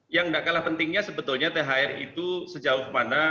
yang tidak kalah pentingnya sebetulnya thr itu sejauh mana